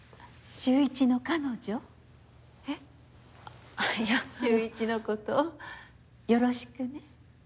秀一の事よろしくね。